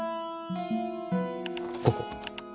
ここ。